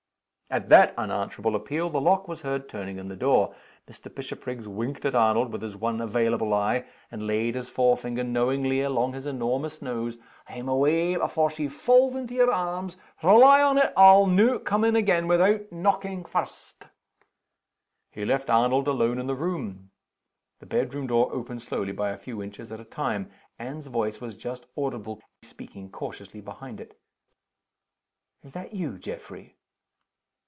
At that unanswerable appeal the lock was heard turning in the door. Mr. Bishopriggs winked at Arnold with his one available eye, and laid his forefinger knowingly along his enormous nose. "I'm away before she falls into your arms! Rely on it I'll no come in again without knocking first!" He left Arnold alone in the room. The bedroom door opened slowly by a few inches at a time. Anne's voice was just audible speaking cautiously behind it. "Is that you, Geoffrey?"